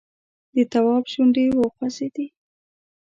د تواب شونډې وخوځېدې!